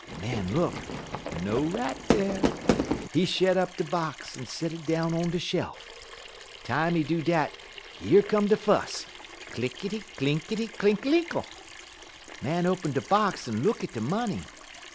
"Man look; no rat dar. He shet up de box, en set it down on de shel uf. Time he do dat yer come de fuss clinkity, clinkity, clinkalinkle! Man open de box en look at de money.